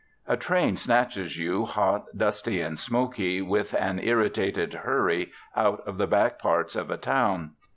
A train snatches you, hot, dusty, and smoky, with an irritated hurry out of the back parts of a town.